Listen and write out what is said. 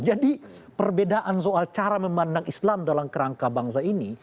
jadi perbedaan soal cara memandang islam dalam kerangka bangsa ini